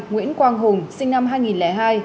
nguyễn quang hùng sinh năm hai nghìn hai